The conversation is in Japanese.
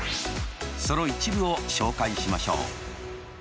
その一部を紹介しましょう。